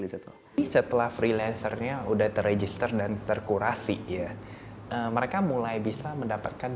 disitu setelah freelancernya udah terregister dan terkurasi ya mereka mulai bisa mendapatkan